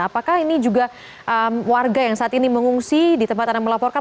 apakah ini juga warga yang saat ini mengungsi di tempat anda melaporkan